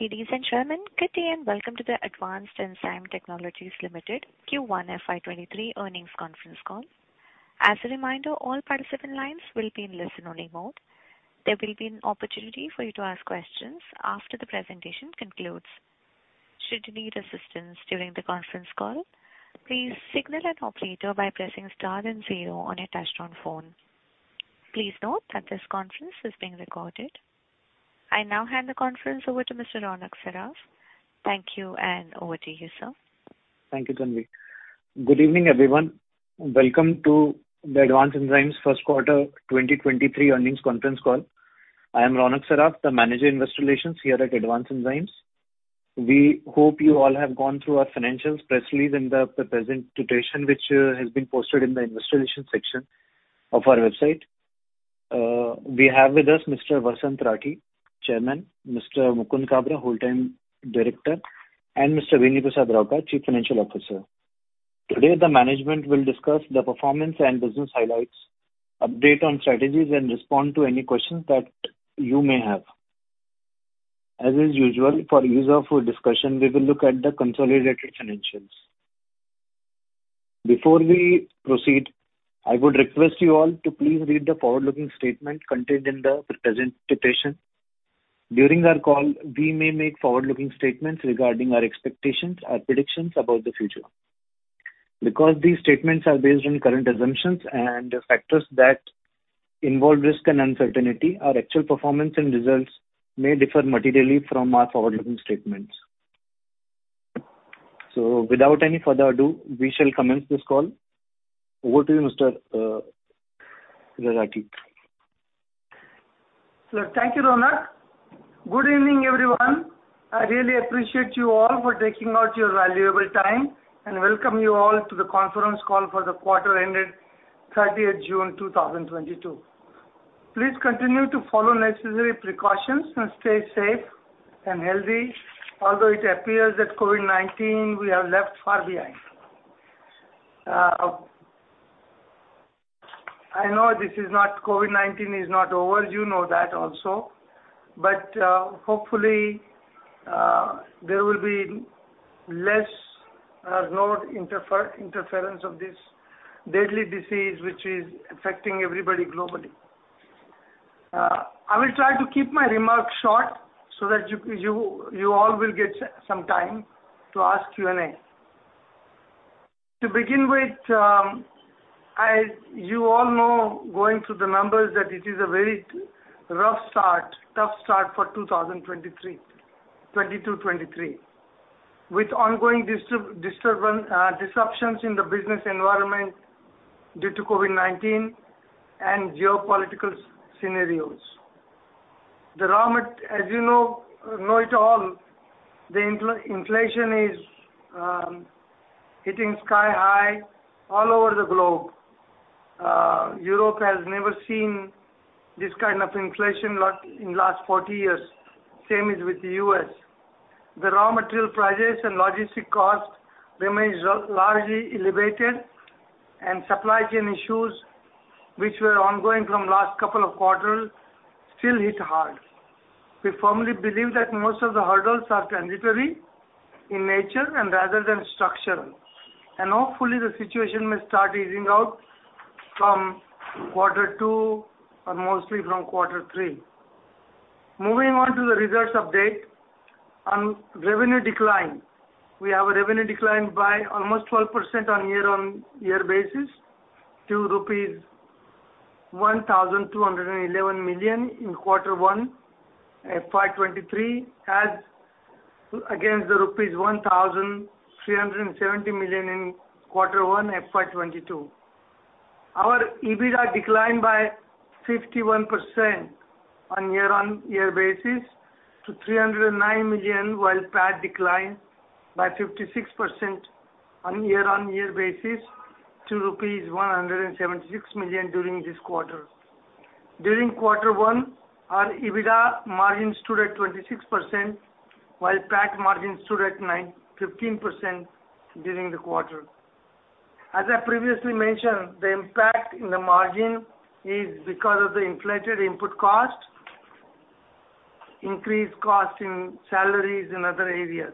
Ladies and gentlemen, good day and welcome to the Advanced Enzyme Technologies Limited Q1 FY23 earnings conference call. As a reminder, all participant lines will be in listen-only mode. There will be an opportunity for you to ask questions after the presentation concludes. Should you need assistance during the conference call, please signal an operator by pressing star then zero on your touchtone phone. Please note that this conference is being recorded. I now hand the conference over to Mr. Ronak Saraf. Thank you, and over to you, sir. Thank you, Tanvi. Good evening, everyone. Welcome to the Advanced Enzymes first quarter 2023 earnings conference call. I am Ronak Saraf, the Manager, Investor Relations here at Advanced Enzymes. We hope you all have gone through our financials, press release and the presentation, which has been posted in the investor relations section of our website. We have with us Mr. Vasant Rathi, Chairman, Mr. Mukund Kabra, Wholetime Director, and Mr. Beni Prasad Rauka, Chief Financial Officer. Today, the management will discuss the performance and business highlights, update on strategies and respond to any questions that you may have. As is usual, for ease of discussion, we will look at the consolidated financials. Before we proceed, I would request you all to please read the forward-looking statement contained in the presentation. During our call, we may make forward-looking statements regarding our expectations or predictions about the future. Because these statements are based on current assumptions and factors that involve risk and uncertainty, our actual performance and results may differ materially from our forward-looking statements. Without any further ado, we shall commence this call. Over to you, Mr. Rathi. Sir, thank you, Ronak. Good evening, everyone. I really appreciate you all for taking out your valuable time and welcome you all to the conference call for the quarter ended 30th June 2022. Please continue to follow necessary precautions and stay safe and healthy, although it appears that COVID-19 we have left far behind. I know COVID-19 is not over. You know that also. Hopefully, there will be less or no interference of this deadly disease which is affecting everybody globally. I will try to keep my remarks short so that you all will get some time to ask Q&A. To begin with, as you all know, going through the numbers, that it is a very rough start, tough start for 2023, 2022-2023, with ongoing disruptions in the business environment due to COVID-19 and geopolitical scenarios. As you know, the inflation is hitting sky-high all over the globe. Europe has never seen this kind of inflation in last 40 years. Same is with the U.S. The raw material prices and logistic costs remain largely elevated, and supply chain issues which were ongoing from last couple of quarters still hit hard. We firmly believe that most of the hurdles are transitory in nature and rather than structural, and hopefully the situation may start easing out from quarter two or mostly from quarter three. Moving on to the results update. On revenue decline, we have a revenue decline by almost 12% year-on-year to INR 1,211 million in quarter one FY 2023, as against rupees 1,370 million in quarter one FY 2022. Our EBITDA declined by 51% year-on-year to INR 309 million, while PAT declined by 56% year-on-year to rupees 176 million during this quarter. During quarter one, our EBITDA margin stood at 26%, while PAT margin stood at 15% during the quarter. As I previously mentioned, the impact in the margin is because of the inflated input cost, increased cost in salaries and other areas.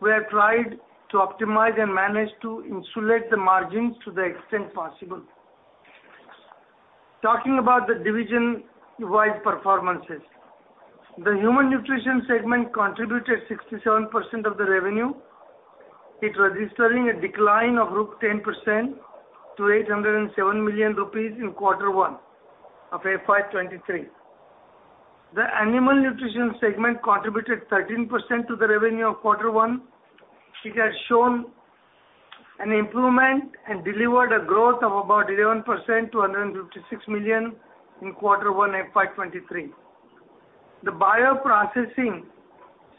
We have tried to optimize and manage to insulate the margins to the extent possible. Talking about the division-wide performances. The Human Nutrition segment contributed 67% of the revenue. It registering a decline of 10% to 807 million rupees in quarter one of FY 2023. The Animal Nutrition segment contributed 13% to the revenue of quarter one. It has shown an improvement and delivered a growth of about 11% to 156 million in quarter one FY 2023. The Bioprocessing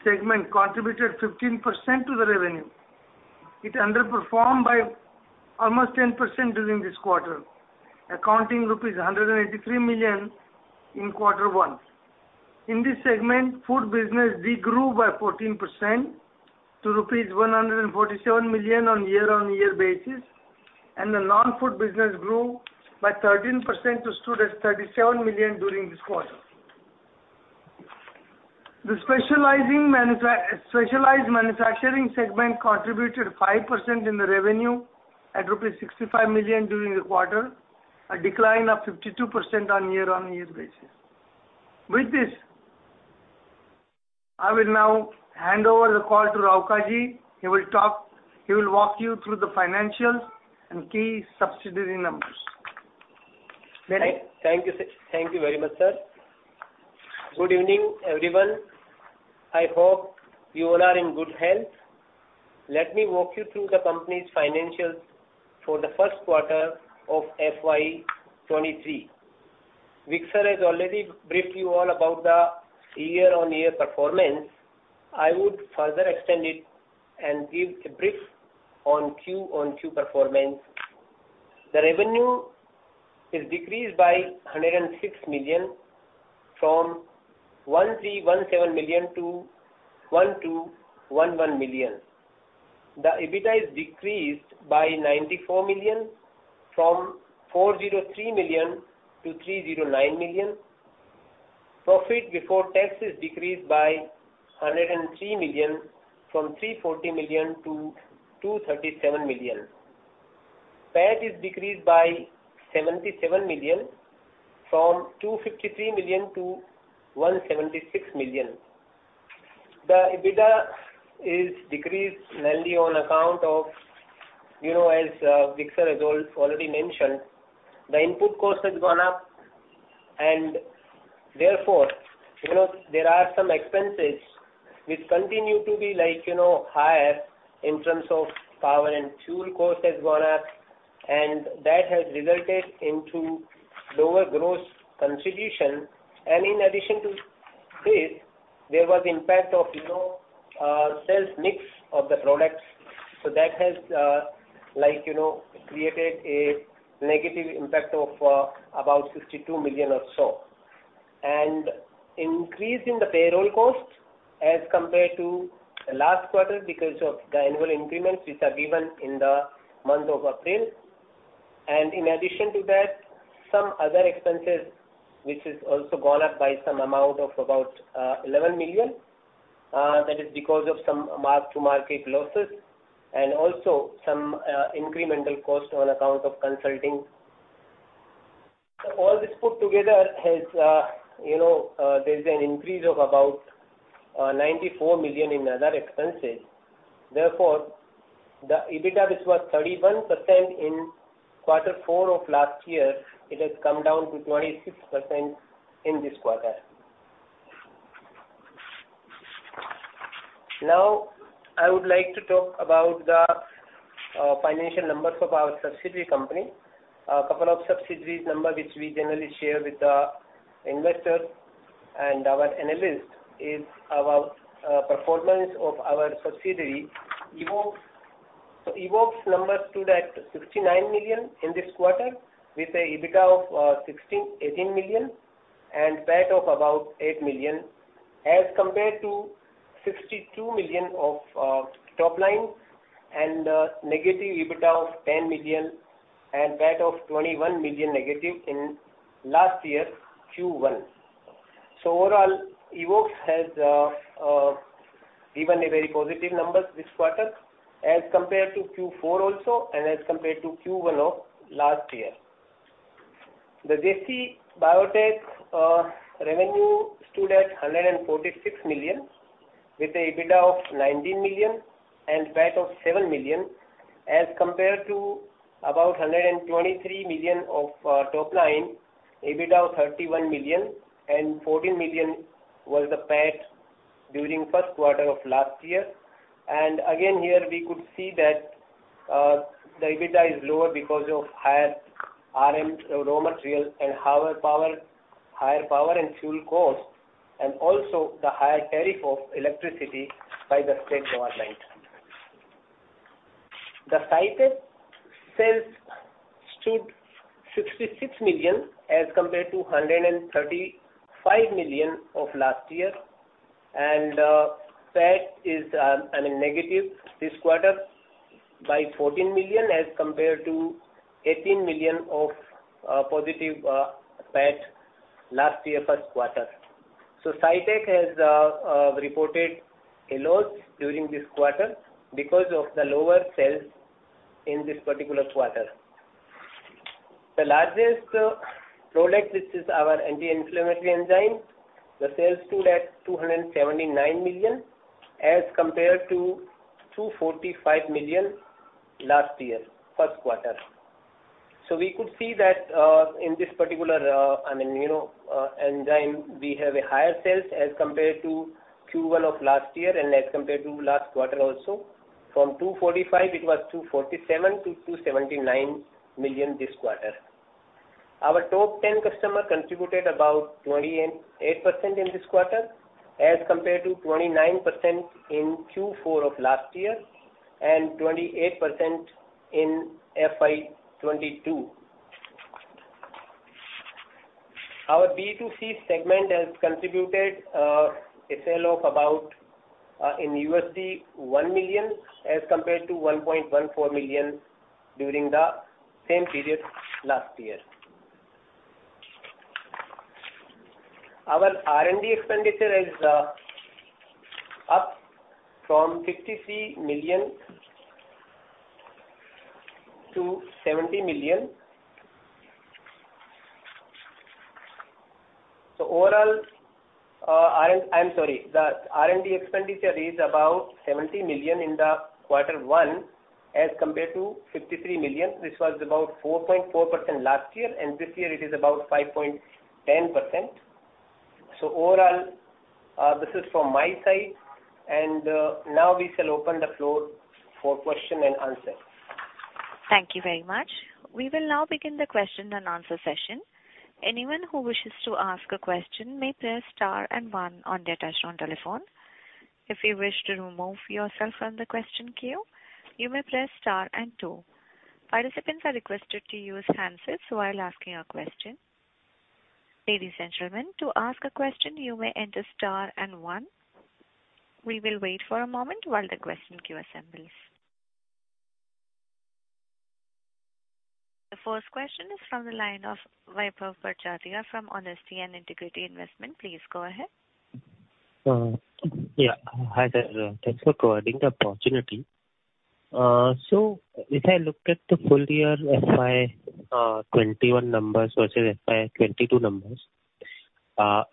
segment contributed 15% to the revenue. It underperformed by almost 10% during this quarter, accounting for rupees 183 million in quarter one. In this segment, food business de-grew by 14% to rupees 147 million on year-over-year basis. The non-food business grew by 13% and stood at 37 million during this quarter. The Specialized Manufacturing segment contributed 5% to the revenue of 65 million during the quarter, a decline of 52% on a year-over-year basis. With this, I will now hand over the call to Rauka. He will walk you through the financials and key subsidiary numbers. Thank you, sir. Thank you very much, sir. Good evening, everyone. I hope you all are in good health. Let me walk you through the company's financials for the first quarter of FY 2023. Vasant Rathi has already briefed you all about the year-on-year performance. I would further extend it and give a brief on Q-on-Q performance. The revenue is decreased by 106 million from 1,317 million to 1,211 million. The EBITDA is decreased by 94 million from 403 million to 309 million. Profit before tax is decreased by 103 million from 340 million to 237 million. PAT is decreased by 77 million from 253 million to 170 million. The EBITDA is decreased mainly on account of, you know, as Vasant has already mentioned, the input cost has gone up and therefore, you know, there are some expenses which continue to be like, you know, higher in terms of power and fuel cost has gone up, and that has resulted into lower gross contribution. In addition to this, there was impact of, you know, sales mix of the products. That has, like, you know, created a negative impact of about 62 million or so. Increase in the payroll costs as compared to last quarter because of the annual increments which are given in the month of April. In addition to that, some other expenses, which has also gone up by some amount of about 11 million, that is because of some mark-to-market losses and also some incremental cost on account of consulting. All this put together has, you know, there's an increase of about 94 million in other expenses. Therefore, the EBITDA, which was 31% in quarter four of last year, it has come down to 26% in this quarter. Now, I would like to talk about the financial numbers of our subsidiary company. A couple of subsidiary numbers which we generally share with the investors and our analysts is our performance of our subsidiary, Evoxx. Evoxx numbers stood at 69 million in this quarter with an EBITDA of 18 million and PAT of about 8 million as compared to 62 million of top line and negative EBITDA of 10 million and PAT of 21 million negative in last year's Q1. Overall, Evoxx has given very positive numbers this quarter as compared to Q4 also and as compared to Q1 of last year. JC Biotech revenue stood at 146 million, with an EBITDA of 19 million and PAT of 7 million, as compared to about 123 million of top line, EBITDA of 31 million, and 14 million was the PAT during first quarter of last year. Again, here, we could see that the EBITDA is lower because of higher RM, raw material, and higher power and fuel cost, and also the higher tariff of electricity by the state government. The SciTech sales stood at 66 million as compared to 135 million of last year. PAT is, I mean, negative this quarter by 14 million as compared to 18 million of positive PAT last year first quarter. SciTech has reported a loss during this quarter because of the lower sales in this particular quarter. The largest product, which is our anti-inflammatory enzyme, the sales stood at 279 million as compared to 245 million last year, first quarter. We could see that, in this particular, I mean, you know, enzyme, we have a higher sales as compared to Q1 of last year and as compared to last quarter also. From 245 million, it was 247 million to 279 million this quarter. Our top ten customer contributed about 28% in this quarter as compared to 29% in Q4 of last year and 28% in FY 2022. Our B2C segment has contributed a sale of about in $1 million as compared to $1.14 million during the same period last year. Our R&D expenditure is up from 53 million to 70 million. Overall, I'm sorry. The R&D expenditure is about 70 million in the quarter one as compared to 53 million, which was about 4.4% last year, and this year it is about 5.10%. Overall, this is from my side and now we shall open the floor for question and answer. Thank you very much. We will now begin the question and answer session. Anyone who wishes to ask a question may press star and one on their touchtone telephone. If you wish to remove yourself from the question queue, you may press star and two. Participants are requested to use handsets while asking a question. Ladies and gentlemen, to ask a question you may enter star and one. We will wait for a moment while the question queue assembles. The first question is from the line of Vaibhav Badjatya from Honesty and Integrity Investment. Please go ahead. Yeah. Hi there. Thanks for providing the opportunity. So if I looked at the full year FY 2021 numbers versus FY 2022 numbers,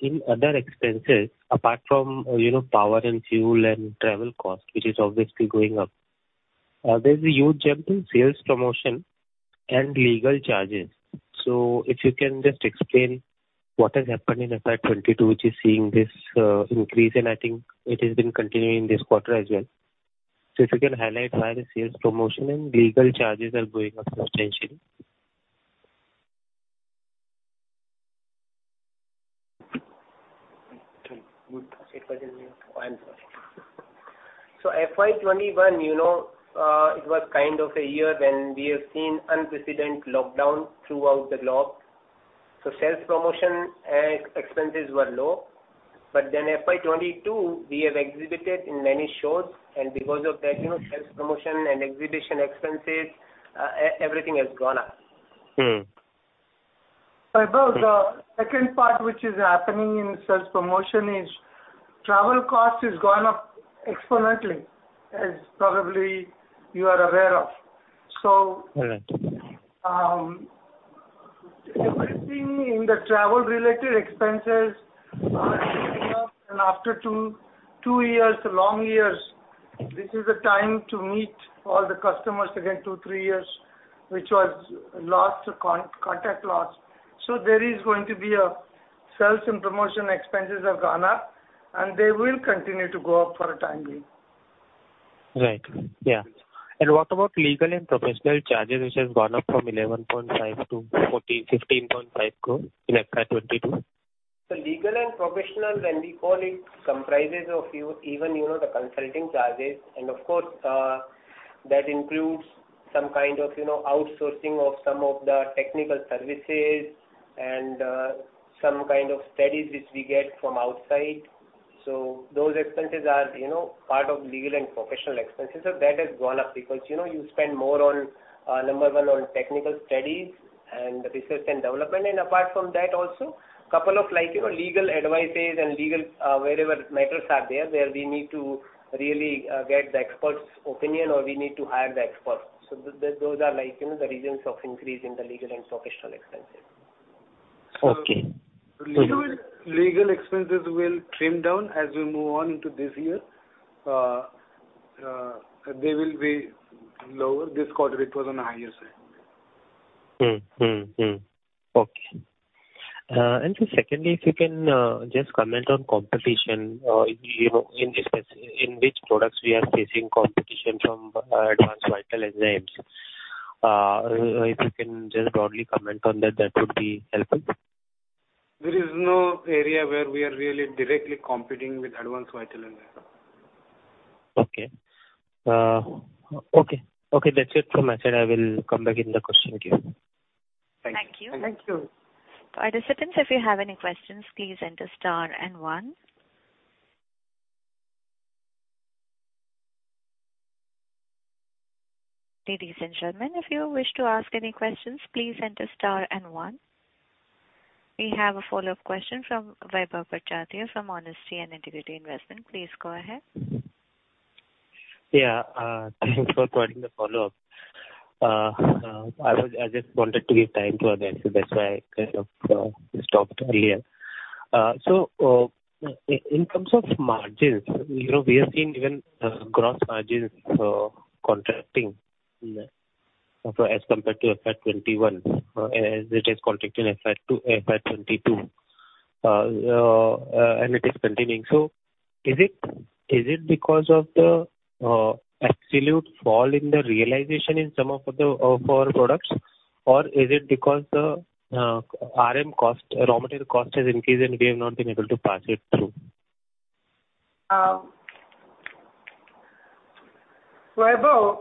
in other expenses, apart from, you know, power and fuel and travel cost, which is obviously going up, there's a huge jump in sales promotion and legal charges. If you can just explain what has happened in FY 2022, which is seeing this increase, and I think it has been continuing this quarter as well. If you can highlight why the sales promotion and legal charges are going up substantially. FY 2021, you know, it was kind of a year when we have seen unprecedented lockdown throughout the globe. Sales promotion expenses were low. FY 2022, we have exhibited in many shows, and because of that, you know, sales promotion and exhibition expenses, everything has gone up. Mm. Vaibhav, the second part which is happening in sales promotion is travel cost has gone up exponentially, as probably you are aware of. All right. Everything in the travel-related expenses are going up and after two long years, this is the time to meet all the customers again, 2-3 years, which was lost contact loss. There is going to be a sales and promotion expenses have gone up and they will continue to go up for the time being. Right. Yeah. What about legal and professional charges, which has gone up from 11.5 crore to 15.5 crore in FY 2022? Legal and professional, when we call it, comprises of even, you know, the consulting charges. Of course, that includes some kind of, you know, outsourcing of some of the technical services and, some kind of studies which we get from outside. Those expenses are, you know, part of legal and professional expenses. That has gone up because, you know, you spend more on, number one, on technical studies and research and development. Apart from that also, couple of like, you know, legal advices and legal, wherever matters are there, where we need to really, get the expert's opinion or we need to hire the experts. Those are like, you know, the reasons of increase in the legal and professional expenses. Okay. Legal expenses will trim down as we move on into this year. They will be lower. This quarter it was on the higher side. Okay. Just secondly, if you can just comment on competition, you know, in which products we are facing competition from Advanced Vital and ZYMS. If you can just broadly comment on that would be helpful. There is no area where we are really directly competing with Advanced Vital and ZYMS. Okay, that's it from my side. I will come back in the question queue. Thank you. Thank you. Participants, if you have any questions, please enter star and one. Ladies and gentlemen, if you wish to ask any questions, please enter star and one. We have a follow-up question from Vaibhav Badjatya from Honesty and Integrity Investment. Please go ahead. Yeah. Thanks for providing the follow-up. I just wanted to give time to others. That's why I kind of stopped earlier. In terms of margins, you know, we have seen even gross margins contracting as compared to FY 2021, as it is contracting in FY 2022. It is continuing. Is it because of the absolute fall in the realization in some of our products, or is it because the RM cost, raw material cost has increased, and we have not been able to pass it through? Vaibhav,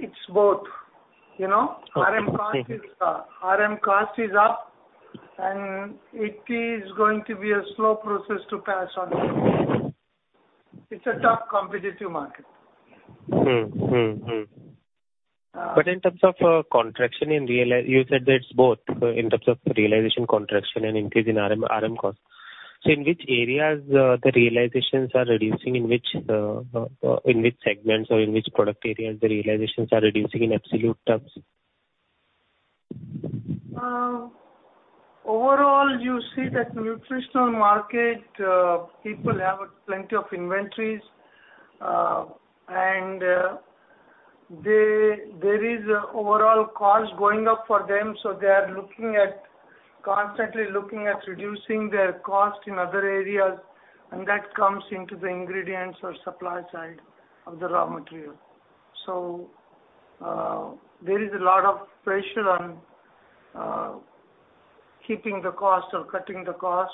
it's both. You know? Okay. RM cost is up, and it is going to be a slow process to pass on. It's a tough competitive market. Mm-hmm. You said that it's both. In terms of realization, contraction and increase in RM costs. In which areas the realizations are reducing? In which segments or in which product areas the realizations are reducing in absolute terms? Overall, you see that nutritional market, people have plenty of inventories. There is overall costs going up for them, so they are looking at reducing their cost in other areas, and that comes into the ingredients or supply side of the raw material. There is a lot of pressure on keeping the cost or cutting the cost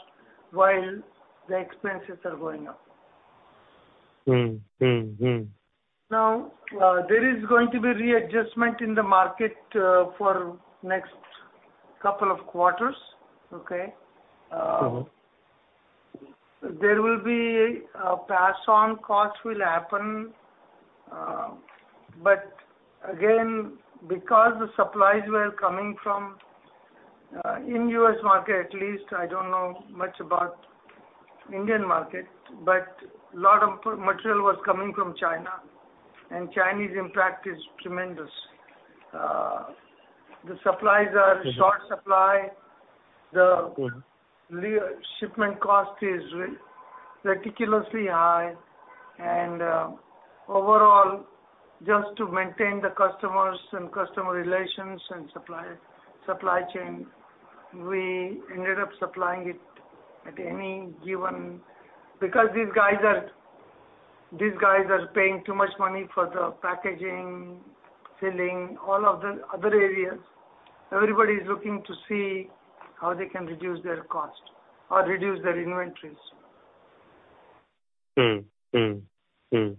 while the expenses are going up. Mm-hmm. Now, there is going to be readjustment in the market, for next couple of quarters. Okay? Mm-hmm. There will be pass-on costs will happen. Again, because the supplies were coming from in U.S. market at least, I don't know much about Indian market, but lot of material was coming from China and China's impact is tremendous. The supplies are in short supply. Mm-hmm. Shipment cost is ridiculously high. Overall, just to maintain the customers and customer relations and supply chain, we ended up supplying it at any given. Because these guys are paying too much money for the packaging, filling, all of the other areas. Everybody's looking to see how they can reduce their cost or reduce their inventories. Mm-hmm.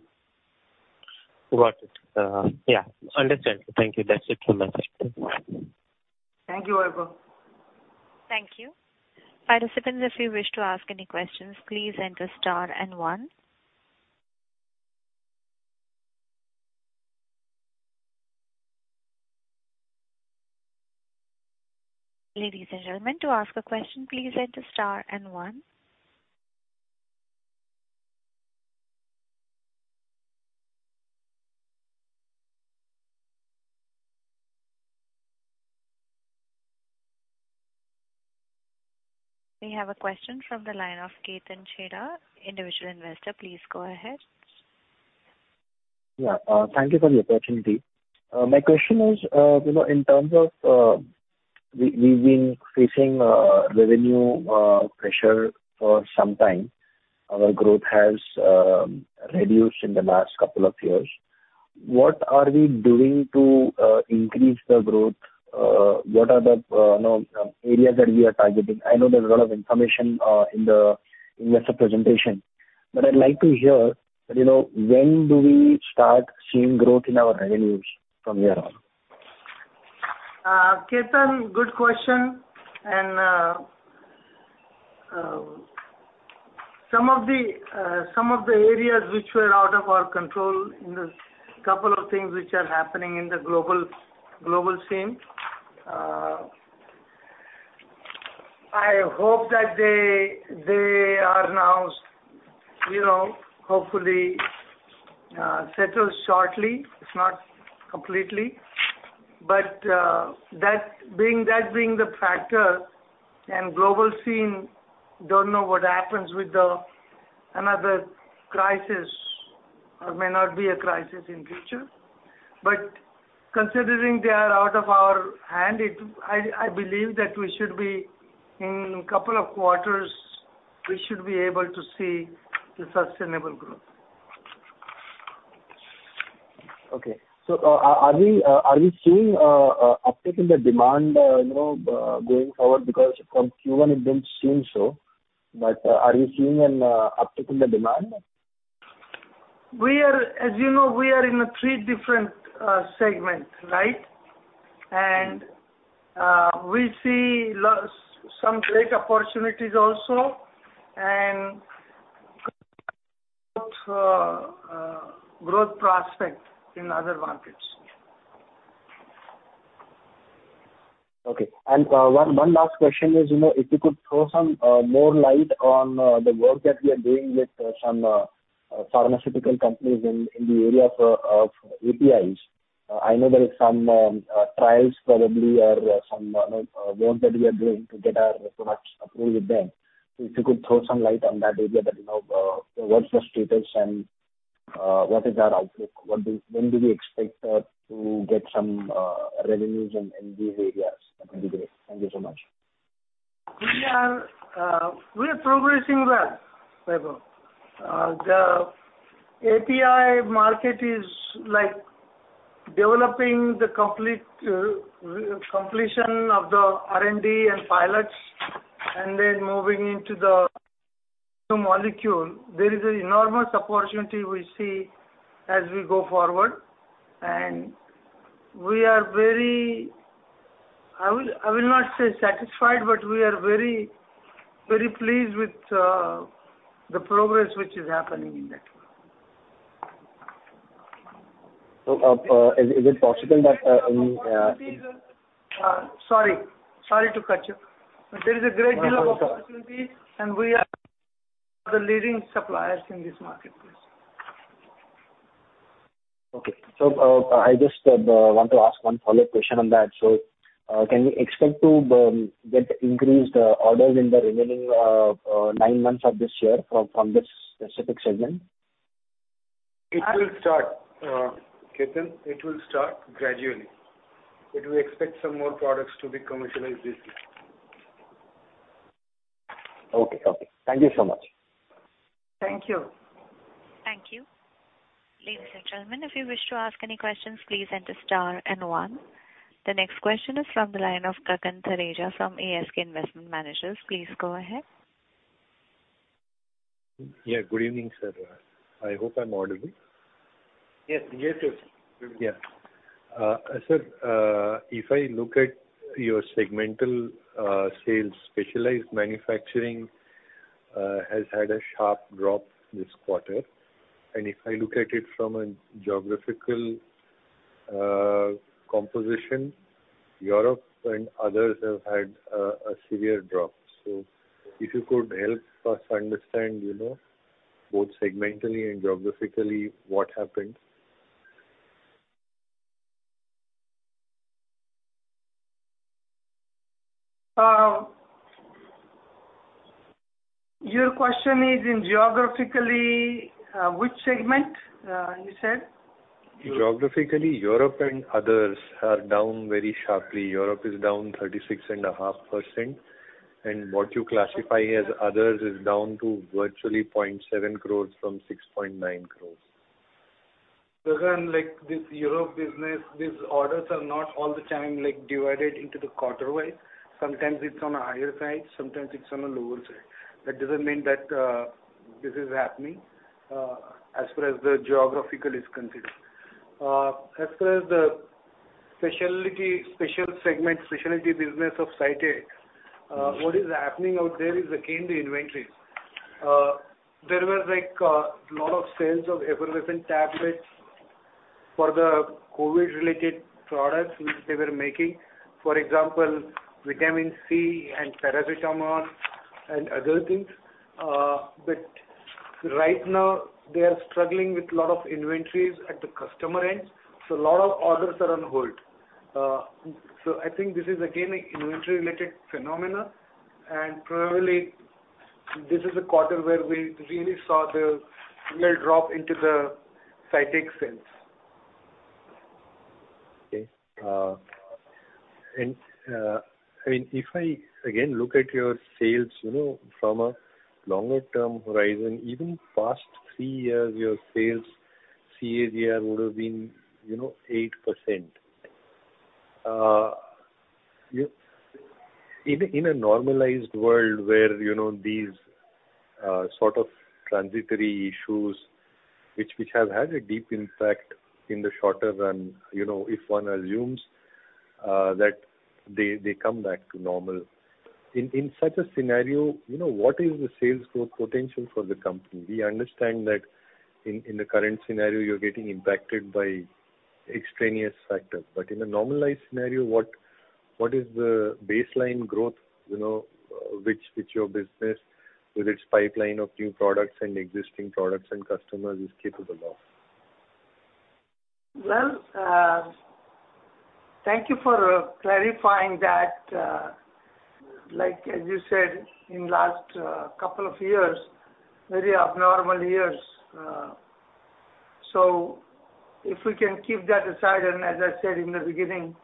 Got it. Yeah. Understood. Thank you. That's it from my side. Thank you, Vaibhav. Thank you. Participants, if you wish to ask any questions, please enter star and one. Ladies and gentlemen, to ask a question, please enter star and one. We have a question from the line of Ketan, individual investor. Please go ahead. Yeah. Thank you for the opportunity. My question is, you know, in terms of, we've been facing revenue pressure for some time. Our growth has reduced in the last couple of years. What are we doing to increase the growth? What are the, you know, areas that we are targeting? I know there's a lot of information in the investor presentation, but I'd like to hear, you know, when do we start seeing growth in our revenues from here on? Ketan, good question. Some of the areas which were out of our control, a couple of things which are happening in the global scene, I hope that they are now, you know, hopefully settled shortly. It's not completely. That being the factor and global scene, don't know what happens with another crisis or may not be a crisis in the future. Considering they are out of our hands, I believe that we should be in a couple of quarters able to see the sustainable growth. Are we seeing uptick in the demand, you know, going forward? Because from Q1, it didn't seem so. Are you seeing an uptick in the demand? As you know, we are in three different segments, right? We see some great opportunities also and growth prospects in other markets. Okay. One last question is, you know, if you could throw some more light on the work that we are doing with some pharmaceutical companies in the area of APIs. I know there is some trials probably or some work that we are doing to get our products approved with them. If you could throw some light on that area, you know, what's the status and what is our outlook? When do we expect to get some revenues in these areas? That will be great. Thank you so much. We are progressing well, Vaibhav. The API market is like developing the complete completion of the R&D and pilots and then moving into the molecule. There is an enormous opportunity we see as we go forward. We are very, I will not say satisfied, but we are very, very pleased with the progress which is happening in that one. Is it possible that, I mean? Sorry. Sorry to cut you. There is a great deal of opportunity. No, no. It's okay. We are the leading suppliers in this marketplace. Okay. I just want to ask one follow-up question on that. Can we expect to get increased orders in the remaining nine months of this year from this specific segment? It will start, Ketan. It will start gradually. We expect some more products to be commercialized this year. Okay. Thank you so much. Thank you. Thank you. Ladies and gentlemen, if you wish to ask any questions, please enter star and one. The next question is from the line of Gagan Thareja from ASK Investment Managers. Please go ahead. Yeah, good evening, sir. I hope I'm audible. Yes. Yes, yes. Yeah. Sir, if I look at your segmental sales, Specialized Manufacturing has had a sharp drop this quarter. If I look at it from a geographical composition, Europe and others have had a severe drop. If you could help us understand, you know, both segmentally and geographically, what happened? Your question is in geography, which segment, you said? Geographically, Europe and others are down very sharply. Europe is down 36.5%, and what you classify as others is down to virtually 0.7 crore from 6.9 crores? Gagan, like, this Europe business, these orders are not all the time, like, divided into the quarter-wise. Sometimes it's on a higher side, sometimes it's on a lower side. That doesn't mean that this is happening as far as the geographical is considered. As far as the specialty business of SciTech, what is happening out there is, again, the inventories. There was like a lot of sales of effervescent tablets for the COVID-related products which they were making. For example, vitamin C and paracetamol and other things. But right now they are struggling with a lot of inventories at the customer end, so a lot of orders are on hold. I think this is again an inventory-related phenomena, and probably this is a quarter where we really saw the real drop in the SciTech sales. Okay. I mean, if I again look at your sales, you know, from a longer term horizon, even past three years, your sales CAGR would have been, you know, 8%. In a normalized world where, you know, these sort of transitory issues which have had a deep impact in the shorter run, you know, if one assumes that they come back to normal. In such a scenario, you know, what is the sales growth potential for the company? We understand that in the current scenario, you're getting impacted by extraneous factors. In a normalized scenario, what is the baseline growth, you know, which your business with its pipeline of new products and existing products and customers is capable of? Well, thank you for clarifying that. Like, as you said, in last couple of years, very abnormal years. If we can keep that aside, and as I said in the beginning,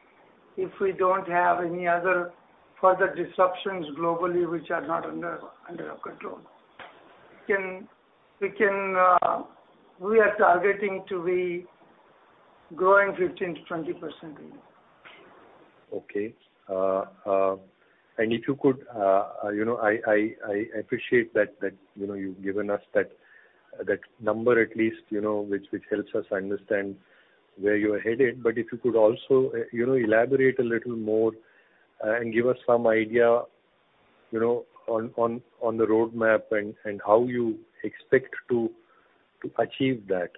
if we don't have any other further disruptions globally which are not under our control, we are targeting to be growing 15%-20% a year. Okay. If you could, you know, I appreciate that, you know, you've given us that number at least, you know, which helps us understand where you are headed. If you could also, you know, elaborate a little more and give us some idea, you know, on the roadmap and how you expect to achieve that?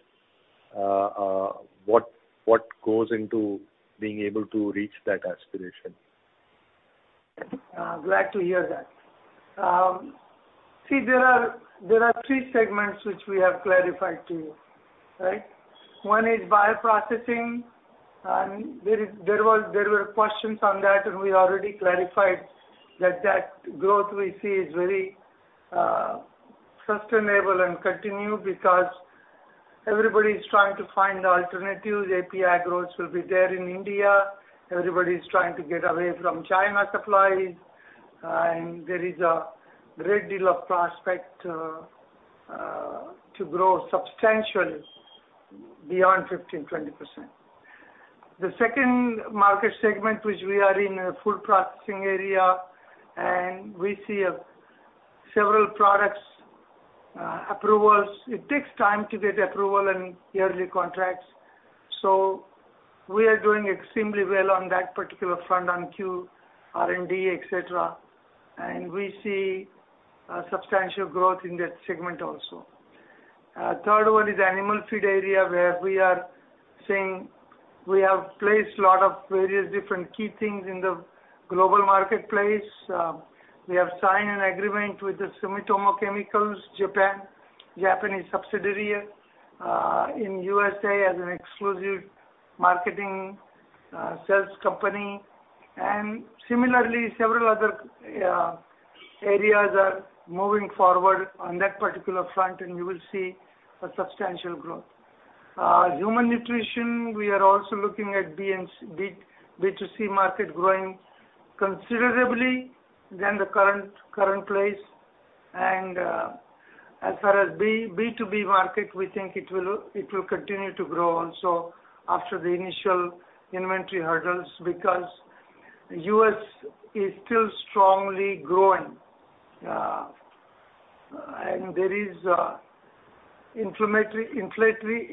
What goes into being able to reach that aspiration? Glad to hear that. See, there are three segments which we have clarified to you, right? One is bioprocessing, and there were questions on that, and we already clarified that growth we see is very sustainable and continue because everybody is trying to find alternatives. API growth will be there in India. Everybody is trying to get away from China supply, and there is a great deal of prospect to grow substantially beyond 15%-20%. The second market segment which we are in, food processing area, and we see several products approvals. It takes time to get approval and yearly contracts. So we are doing extremely well on that particular front on R&D, et cetera, and we see a substantial growth in that segment also. Third one is animal feed area where we are seeing. We have placed a lot of various different key things in the global marketplace. We have signed an agreement with Sumitomo Chemical Japan, Japanese subsidiary in USA as an exclusive marketing sales company. Similarly, several other areas are moving forward on that particular front and you will see a substantial growth. Human nutrition, we are also looking at B2C market growing considerably than the current place. As far as B2B market, we think it will continue to grow also after the initial inventory hurdles because U.S. is still strongly growing. And there is anti-inflammatory.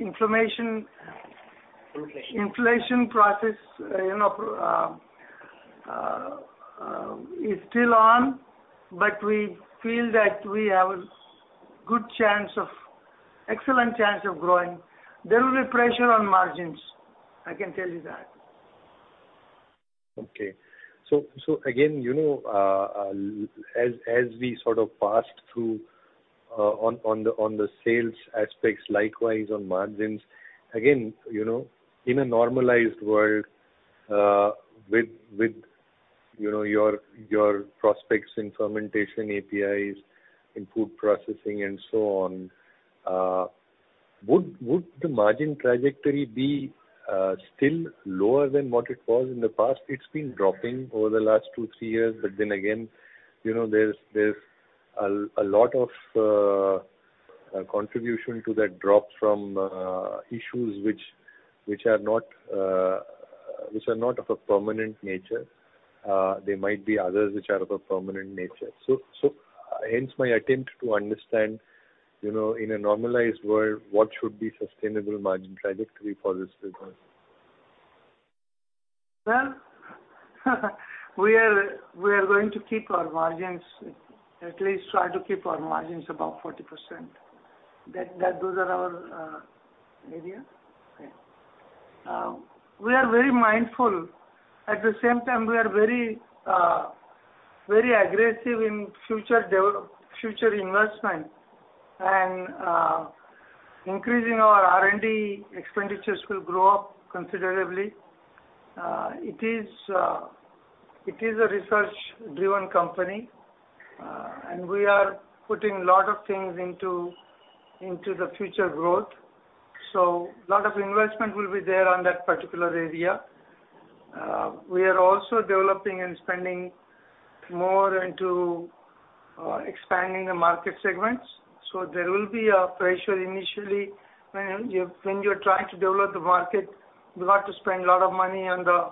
Inflation. Inflation process, you know, is still on, but we feel that we have a good chance of excellent chance of growing. There will be pressure on margins, I can tell you that. Okay. Again, you know, as we sort of passed through on the sales aspects, likewise on margins, again, you know, in a normalized world, with you know, your prospects in fermentation, APIs, in food processing and so on, would the margin trajectory be still lower than what it was in the past? It's been dropping over the last two-three years. Then again, you know, there's a lot of contribution to that drop from issues which are not of a permanent nature. There might be others which are of a permanent nature. Hence my attempt to understand, you know, in a normalized world, what should be sustainable margin trajectory for this business? Well, we are going to keep our margins, at least try to keep our margins above 40%. Those are our area. Okay. We are very mindful. At the same time, we are very aggressive in future investment and increasing our R&D expenditures will grow up considerably. It is a research-driven company, and we are putting a lot of things into the future growth. A lot of investment will be there on that particular area. We are also developing and spending more into expanding the market segments. There will be a pressure initially when you're trying to develop the market, you have to spend a lot of money on the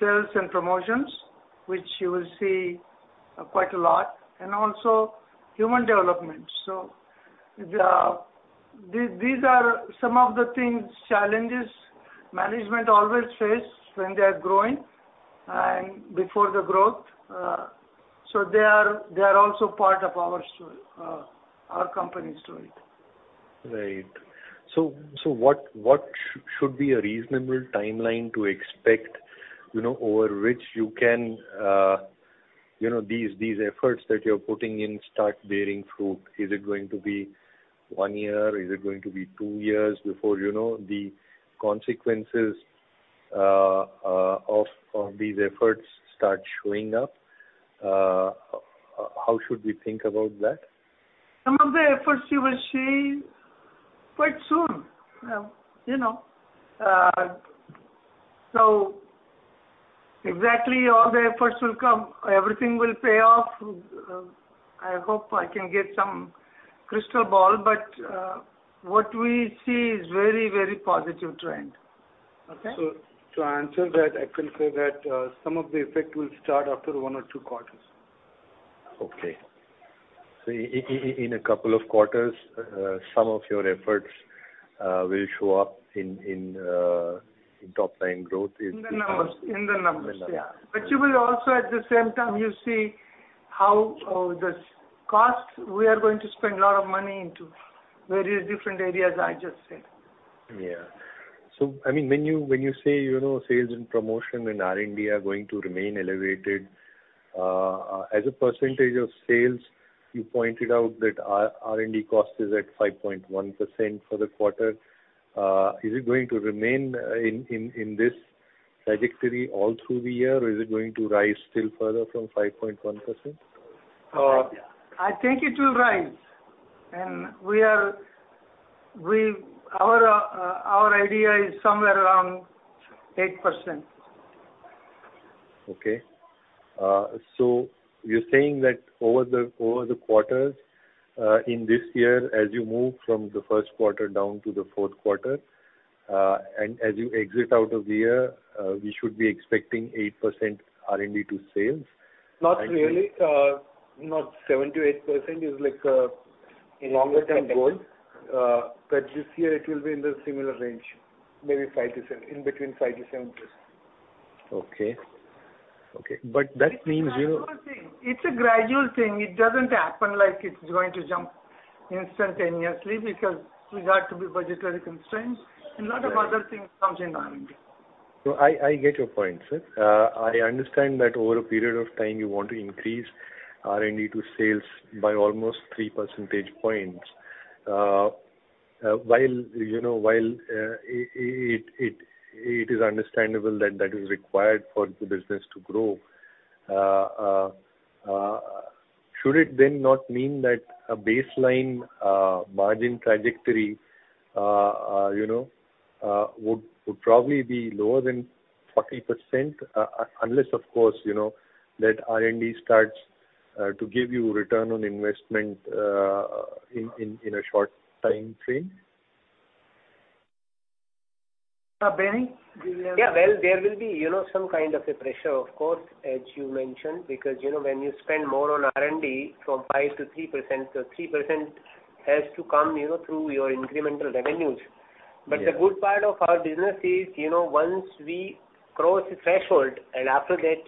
sales and promotions, which you will see quite a lot, and also human development. These are some of the things, challenges management always face when they are growing and before the growth. They are also part of our company story. Right. What should be a reasonable timeline to expect, you know, over which you can, you know, these efforts that you're putting in start bearing fruit? Is it going to be one year? Is it going to be two years before, you know, the consequences of these efforts start showing up? How should we think about that? Some of the efforts you will see quite soon, you know. Exactly all the efforts will come, everything will pay off. I hope I can get some crystal ball, but, what we see is very, very positive trend. Okay? To answer that, I can say that some of the effect will start after one or two quarters. Okay. In a couple of quarters, some of your efforts will show up in top line growth. In the numbers. In the numbers. Yeah. You will also at the same time you see how, this cost, we are going to spend a lot of money into various different areas I just said. Yeah. I mean, when you say, you know, sales and promotion in R&D are going to remain elevated, as a percentage of sales, you pointed out that R&D cost is at 5.1% for the quarter. Is it going to remain in this trajectory all through the year, or is it going to rise still further from 5.1%? I think it will rise. Our idea is somewhere around 8%. Okay. You're saying that over the quarters in this year, as you move from the first quarter down to the fourth quarter, and as you exit out of the year, we should be expecting 8% R&D to sales? Not really. Not 7%-8%. It's like, a longer-term goal. This year it will be in the similar range, maybe 5%-7%, in between 5%-7%. Okay. That means you It's a gradual thing. It doesn't happen like it's going to jump instantaneously because of budgetary constraints. Right. A lot of other things comes in R&D. No, I get your point, sir. I understand that over a period of time you want to increase R&D to sales by almost three percentage points. While, you know, while it is understandable that that is required for the business to grow, should it then not mean that a baseline margin trajectory, you know, would probably be lower than 40%? Unless, of course, you know, that R&D starts to give you return on investment in a short timeframe. Beni, do you wanna? Yeah, well, there will be, you know, some kind of a pressure of course, as you mentioned, because, you know, when you spend more on R&D from 3%-5%, so 3% has to come, you know, through your incremental revenues. Yeah. The good part of our business is, you know, once we cross the threshold, and after that,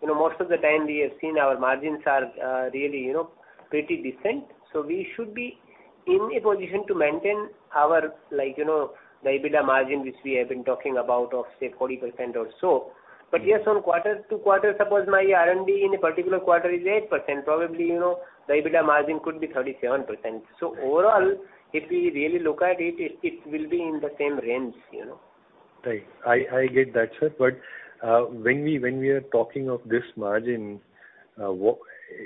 you know, most of the time we have seen our margins are really, you know, pretty decent. We should be in a position to maintain our like, you know, the EBITDA margin, which we have been talking about of, say, 40% or so. Yes, on quarter-to-quarter, suppose my R&D in a particular quarter is 8%, probably, you know, the EBITDA margin could be 37%. Overall, if we really look at it will be in the same range, you know. Right. I get that, sir. When we are talking of this margin, what,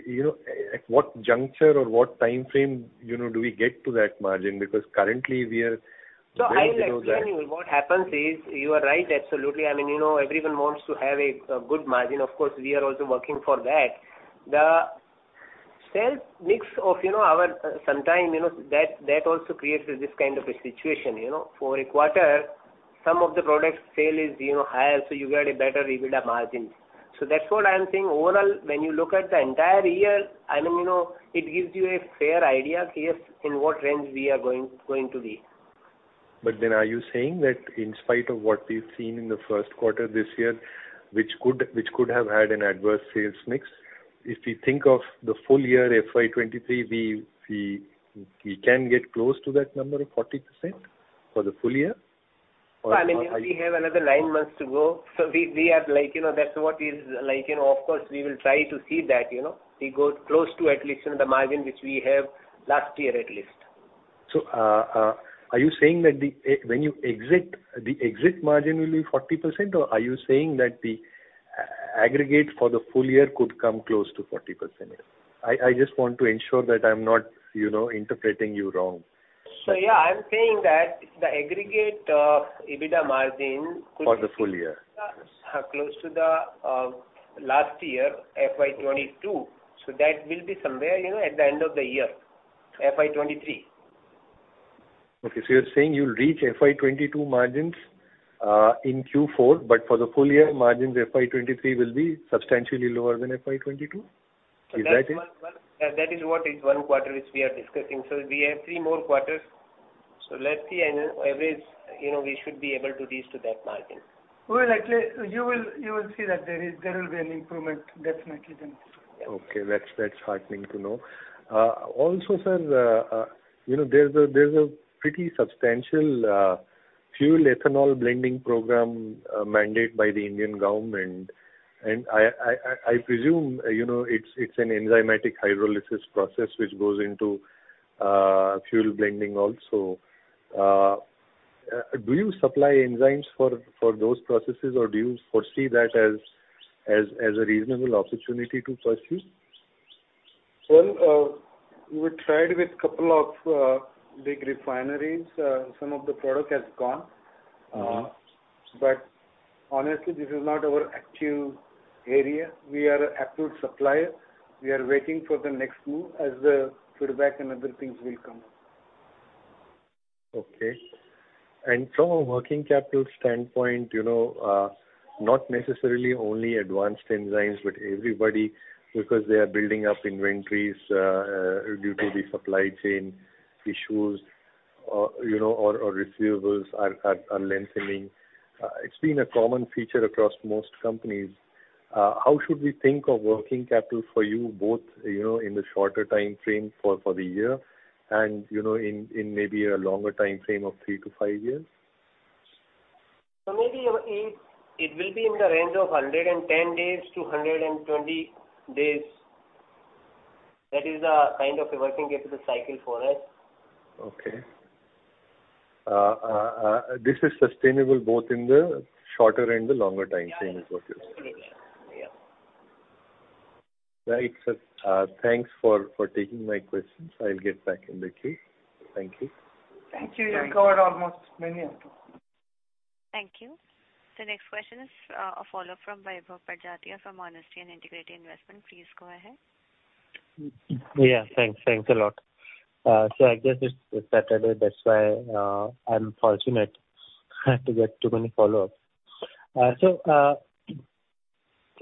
you know, at what juncture or what timeframe, you know, do we get to that margin? Because currently we are below that. I'll explain you. What happens is, you are right, absolutely. I mean, you know, everyone wants to have a good margin. Of course, we are also working for that. The sales mix of, you know, our sometimes, you know, that also creates this kind of a situation, you know. For a quarter, some of the products sale is, you know, higher, so you get a better EBITDA margins. That's what I'm saying. Overall, when you look at the entire year, I mean, you know, it gives you a fair idea, yes, in what range we are going to be. are you saying that in spite of what we've seen in the first quarter this year, which could have had an adverse sales mix, if we think of the full year FY 2023, we can get close to that number of 40% for the full year? Or I mean, you know, we have another nine months to go. We are like, you know, that's what is like, you know, of course, we will try to see that, you know. We go close to at least the margin which we have last year at least. Are you saying that when you exit, the exit margin will be 40%? Or are you saying that the aggregate for the full year could come close to 40%? I just want to ensure that I'm not, you know, interpreting you wrong. Yeah, I'm saying that the aggregate EBITDA margin could be- For the full year. Close to the last year, FY 2022. That will be somewhere, you know, at the end of the year, FY2023. Okay. You're saying you'll reach FY 2022 margins in Q4, but for the full year margins, FY 2023 will be substantially lower than FY 2022? Is that it? That's one. That is what is one quarter which we are discussing. We have three more quarters. Let's see an average. You know, we should be able to reach to that margin. Well, actually, you will see that there will be an improvement definitely then. Okay. That's heartening to know. Also, sir, you know, there's a pretty substantial fuel ethanol blending program mandate by the Indian government. I presume, you know, it's an enzymatic hydrolysis process which goes into fuel blending also. Do you supply enzymes for those processes, or do you foresee that as a reasonable opportunity to pursue? Well, we tried with couple of big refineries. Some of the product has gone. Mm-hmm. Honestly, this is not our actual area. We are an actual supplier. We are waiting for the next move as the feedback and other things will come up. Okay. From a working capital standpoint, you know, not necessarily only Advanced Enzymes, but everybody, because they are building up inventories, due to the supply chain issues, you know, or receivables are lengthening. It's been a common feature across most companies. How should we think of working capital for you both, you know, in the shorter timeframe for the year and, you know, in maybe a longer timeframe of three to five years? Maybe, it will be in the range of 110-120 days. That is the kind of a working capital cycle for us. Okay. This is sustainable both in the shorter and the longer timeframe as well? Yeah. Right, sir. Thanks for taking my questions. I'll get back in the queue. Thank you. Thank you. Thank you. You've covered almost many of them. Thank you. The next question is, a follow-up from Vaibhav Badjatya from Honesty and Integrity Investment. Please go ahead. Yeah, thanks. Thanks a lot. I guess it's Saturday, that's why I'm fortunate to get too many follow-ups.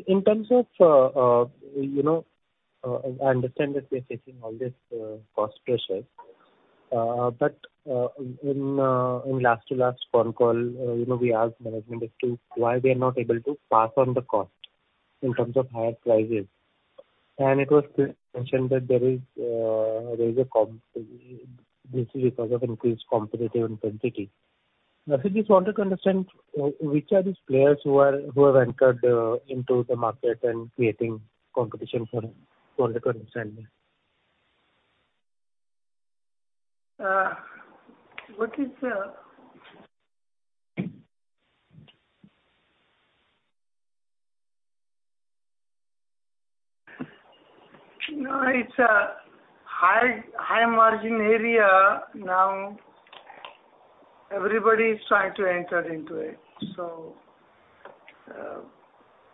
In terms of, you know, I understand that we are facing all this, cost pressures. In last to last phone call, you know, we asked management as to why we are not able to pass on the cost in terms of higher prices. It was mentioned that this is because of increased competitive intensity. I just wanted to understand which are these players who have entered into the market and creating competition for the current scenario? It's a high margin area now. Everybody is trying to enter into it.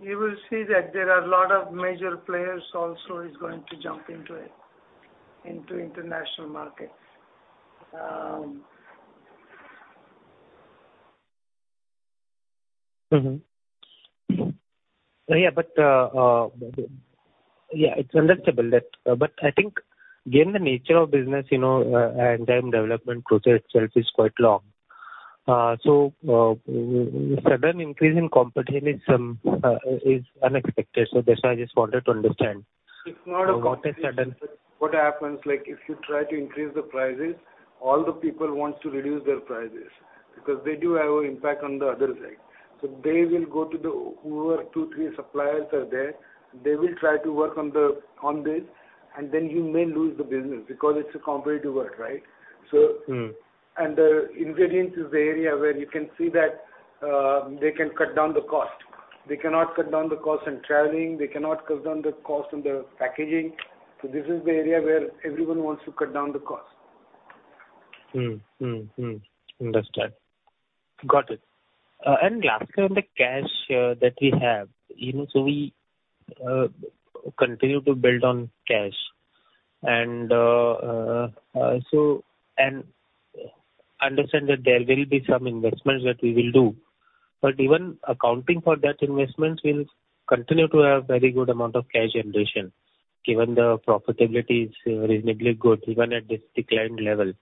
You will see that there are a lot of major players also is going to jump into it, into international markets. Mm-hmm. Yeah, it's understandable that. I think given the nature of business, you know, enzyme development process itself is quite long. Sudden increase in competition is unexpected. That's why I just wanted to understand. It's not a competition. What a sudden- What happens, like, if you try to increase the prices, all the people want to reduce their prices because they do have an impact on the other side. They will go to whoever two, three suppliers are there, they will try to work on this, and then you may lose the business because it's a competitive world, right? Mm. The ingredients is the area where you can see that they can cut down the cost. They cannot cut down the cost in traveling, they cannot cut down the cost in the packaging. This is the area where everyone wants to cut down the cost. Lastly on the cash that we have, you know, so we continue to build up cash. I understand that there will be some investments that we will do. But even accounting for that investment, we'll continue to have a very good amount of cash generation, given the profitability is reasonably good even at this declined level.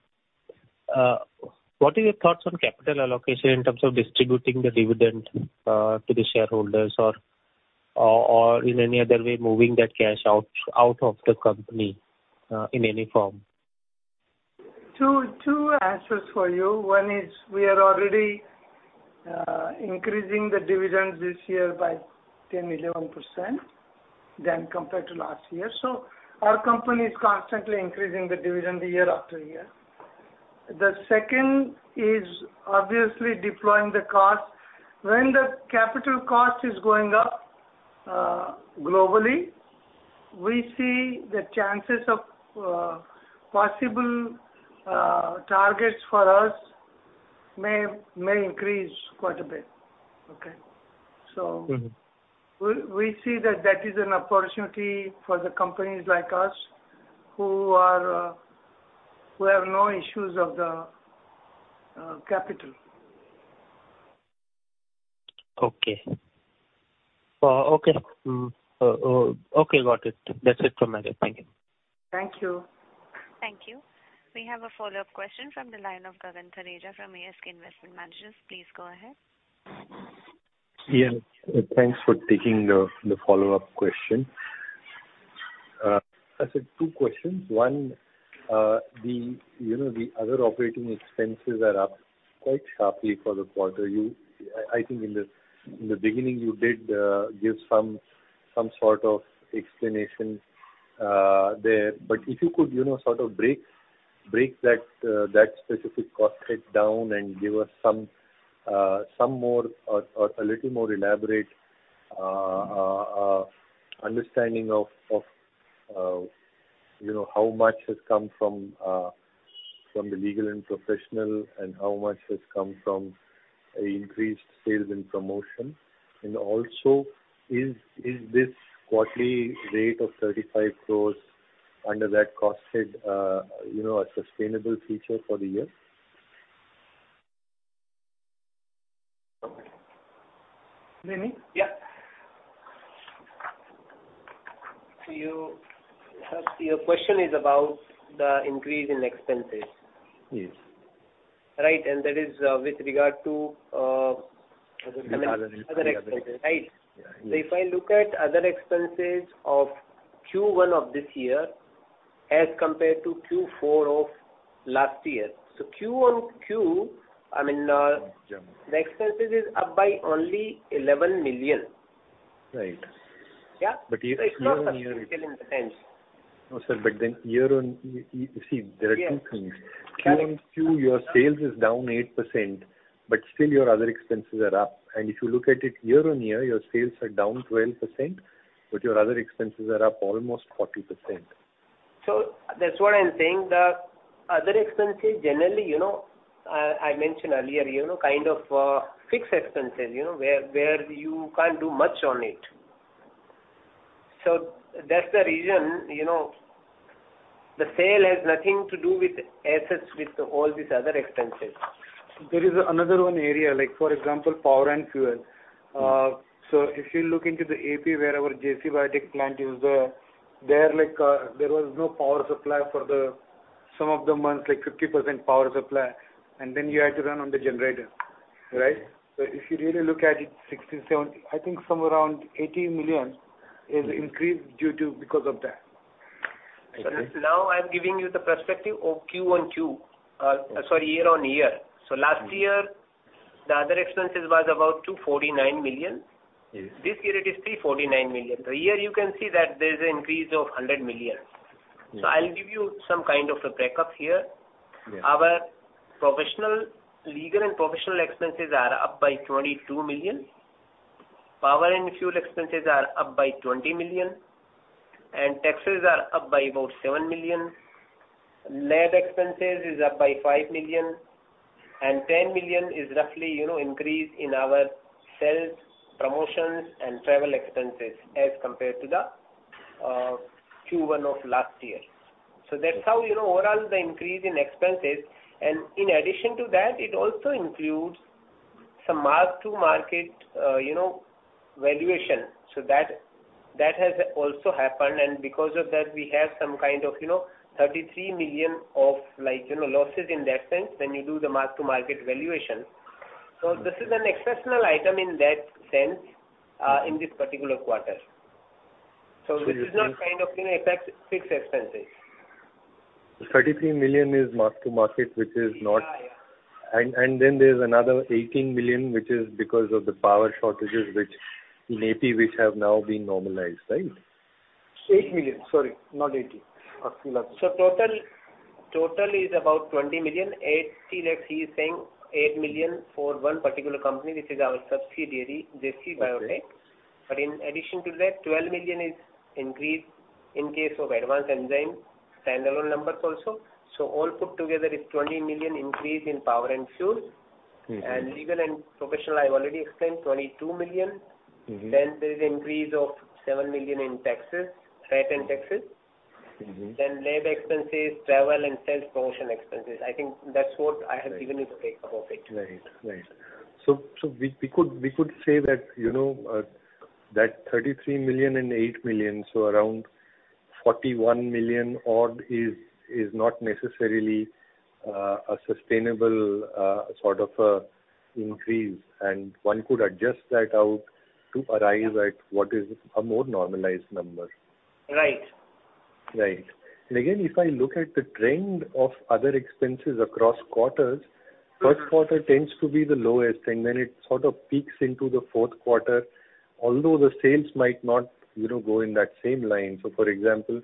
What are your thoughts on capital allocation in terms of distributing the dividend to the shareholders or in any other way moving that cash out of the company in any form? Two answers for you. One is we are already increasing the dividends this year by 10%-11% compared to last year. Our company is constantly increasing the dividend year after year. The second is obviously deploying the cash. When the capital cost is going up globally, we see the chances of possible targets for us may increase quite a bit. Okay. Mm-hmm. We see that is an opportunity for the companies like us who have no issues of the capital. Okay, got it. That's it from my end. Thank you. Thank you. Thank you. We have a follow-up question from the line of Gagan Thareja from ASK Investment Managers. Please go ahead. Yeah. Thanks for taking the follow-up question. I said two questions. One, the other operating expenses are up quite sharply for the quarter. I think in the beginning you did give some sort of explanation there. But if you could sort of break that specific cost head down and give us some more or a little more elaborate understanding of how much has come from the legal and professional? And how much has come from increased sales and promotion? Also is this quarterly rate of 35 crore under that cost head a sustainable feature for the year. Beni? Sir, your question is about the increase in expenses? Yes. Right. That is, with regard to. The other- Other expenses, right? Yeah. If I look at other expenses of Q1 of this year as compared to Q4 of last year. Q-on-Q, I mean, the expenses is up by only 11 million. Right. Yeah. Year-over-year. It's not substantial in the sense No, sir, year-on-year, you see, there are two things. Yeah. Q-on-Q, your sales is down 8%, but still your other expenses are up. If you look at it year-on-year, your sales are down 12%, but your other expenses are up almost 40%. That's what I'm saying. The other expenses generally, you know, I mentioned earlier, you know, kind of, fixed expenses, you know, where you can't do much on it. That's the reason, you know, the sale has nothing to do with assets, with all these other expenses. There is another one area, like for example, power and fuel. If you look into the AP where our JC Biotech plant is there like, there was no power supply for some of the months, like 50% power supply, and then you had to run on the generator, right? If you really look at it, 60, 70, I think around 80 million is increased due to because of that. Now I'm giving you the perspective of Q-on-Q. Year-on-year. Last year, the other expenses was about 249 million. Yes. This year it is 349 million. Here you can see that there's increase of 100 million. Yeah. I'll give you some kind of a break up here. Yeah. Our professional, legal and professional expenses are up by 22 million. Power and fuel expenses are up by 20 million, and taxes are up by about 7 million. Lab expenses is up by 5 million and 10 million is roughly, you know, increase in our sales, promotions and travel expenses as compared to the Q1 of last year. That's how you know overall the increase in expenses. In addition to that, it also includes some mark-to-market, you know, valuation. That has also happened. Because of that, we have some kind of, you know, 33 million of like, you know, losses in that sense when you do the mark-to-market valuation. This is an exceptional item in that sense in this particular quarter. You think. This is not kind of, you know, affect fixed expenses. 33 million is mark-to-market, which is not. Yeah. there's another 18 million, which is because of the power shortages, which in AP, which have now been normalized. Right? 8 million. Sorry, not 18. Okay. Total is about 20 million. Still like he is saying 8 million for one particular company, which is our subsidiary, JC Biotech. Okay. In addition to that, 12 million is increase in case of Advanced Enzymes standalone numbers also. All put together is 20 million increase in power and fuels. Mm-hmm. Legal and professional, I've already explained 22 million. Mm-hmm. There's increase of 7 million in taxes, freight, and taxes. Mm-hmm. Lab expenses, travel and sales promotion expenses. I think that's what I have given you the breakup of it. Right. We could say that, you know, that 33 million and 8 million, so around 41 million odd is not necessarily a sustainable sort of increase. One could adjust that out to arrive at what is a more normalized number. Right. Right. Again, if I look at the trend of other expenses across quarters, first quarter tends to be the lowest and then it sorts of peaks into the fourth quarter, although the sales might not, you know, go in that same line. For example,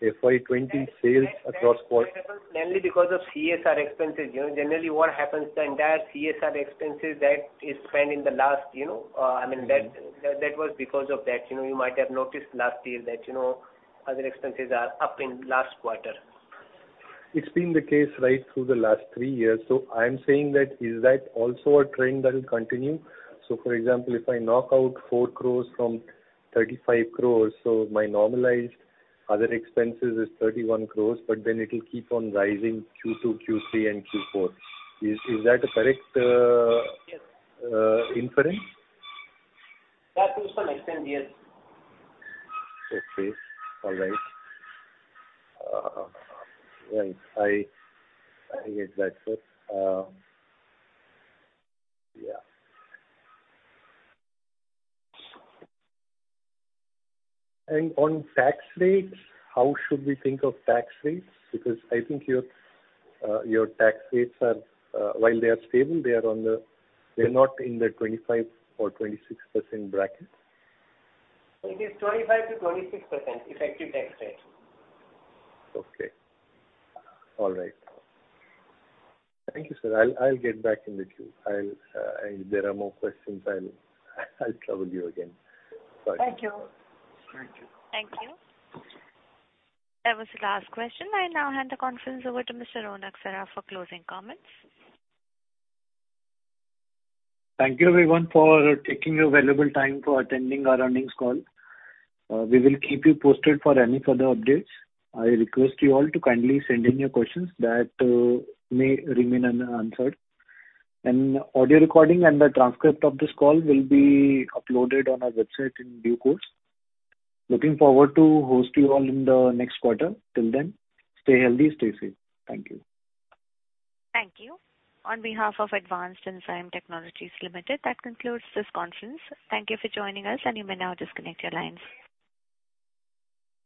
FY 2020 sales across quarter- That's mainly because of CSR expenses. You know, generally what happens, the entire CSR expenses that is spent in the last, you know, I mean that was because of that. You know, you might have noticed last year that, you know, other expenses are up in last quarter. It's been the case right through the last three years. I'm saying that is that also a trend that will continue. For example, if I knock out 4 crore from 35 crore, so my normalized other expenses is 31 crore, but then it will keep on rising Q2, Q3 and Q4. Is that a correct? Yes. Inference? That will, to some extent, yes. Okay. All right. Right. I get that, sir. Yeah. On tax rates, how should we think of tax rates? Because I think your tax rates are, while they are stable, they're not in the 25% or 26% bracket. It is 25%-26% effective tax rate. Okay. All right. Thank you, sir. I'll get back in the queue. If there are more questions, I'll trouble you again. Bye. Thank you. Thank you. Thank you. That was the last question. I now hand the conference over to Mr. Ronak Saraf for closing comments. Thank you everyone for taking your valuable time for attending our earnings call. We will keep you posted for any further updates. I request you all to kindly send in your questions that may remain unanswered. An audio recording and the transcript of this call will be uploaded on our website in due course. Looking forward to host you all in the next quarter. Till then, stay healthy, stay safe. Thank you. Thank you. On behalf of Advanced Enzyme Technologies Limited, that concludes this conference. Thank you for joining us, and you may now disconnect your lines.